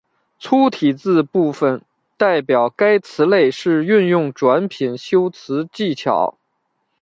粗体字部分代表该词类是运用转品修辞技巧。